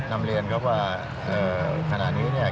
นำเรียนครับว่าขณะนี้เนี่ย